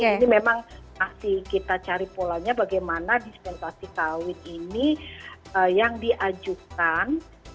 ini memang masih kita cari polanya bagaimana dispensasi kawin ini yang diajukan